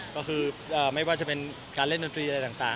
ก็คือไม่ว่าจะเป็นการเล่นดนตรีอะไรต่าง